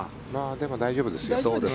でも大丈夫ですよ。